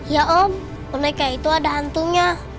ya om boneka itu ada hantunya